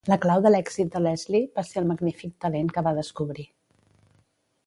La clau de l'èxit de Leslie va ser el magnífic talent que va descobrir.